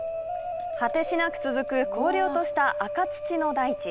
果てしなく続く荒涼とした赤土の大地。